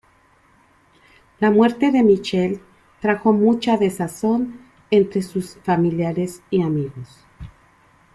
La muerte de Michele trajo mucha desazón entre sus familiares y amigos.